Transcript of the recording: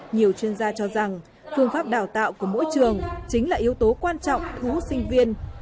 nhiều chuyên gia cho rằng phương pháp đào tạo của mỗi trường chính là yếu tố quan trọng thú sinh viên